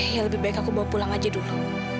ya lebih baik aku bawa pulang aja dulu